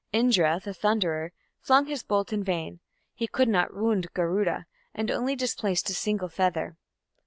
Indra, the thunderer, flung his bolt in vain; he could not wound Garuda, and only displaced a single feather.